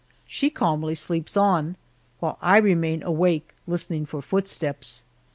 She calmly sleeps on, while I remain awake listening for footsteps.